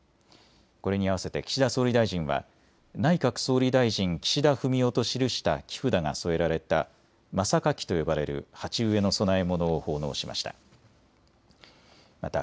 これに合わせて岸田総理大臣は内閣総理大臣岸田文雄と記した木札が添えられた真榊と呼ばれる鉢植えの供え物を奉納しました。